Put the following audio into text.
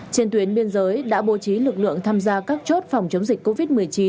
trên tuyến biên giới đã bố trí lực lượng tham gia các chốt phòng chống dịch covid một mươi chín